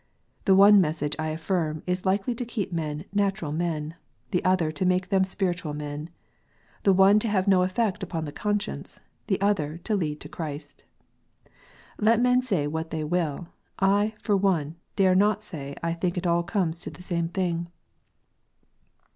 The one message, I affirm, is likely to keep men natural men, the other to make them spiritual men, the one to have 110 effect upon the conscience, the other to lead to Christ. Let men say what they will, I, for one, dare not say I think it all comes to the same thing.